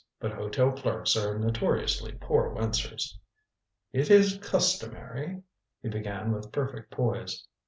But hotel clerks are notoriously poor wincers. "It is customary " he began with perfect poise.